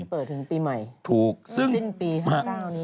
เปิดถึงปีใหม่ถูกสิ้นปี๕๙นี้